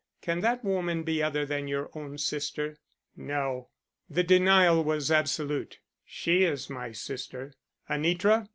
Can that woman be other than your own sister?" "No." The denial was absolute. "She is my sister." "Anitra?"